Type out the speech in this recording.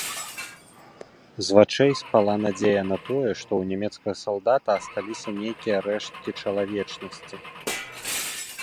З вачэй спала надзея на тое, што ў нямецкага салдата асталіся нейкія рэшткі чалавечнасці.